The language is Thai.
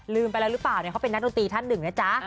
ไปแล้วหรือเปล่าเนี่ยเขาเป็นนักดนตรีท่านหนึ่งนะจ๊ะ